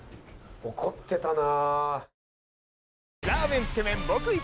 怒ってたな。